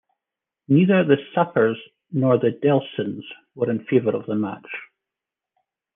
Neither the Sapirs nor the Delsons were in favor of the match.